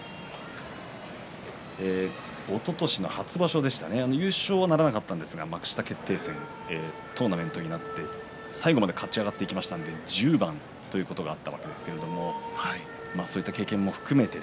おととしの初場所でしたね幕下決定戦トーナメントになって最後まで勝ち上がっていきましたんで１０番ということがあったわけですがそういった経験も含めて。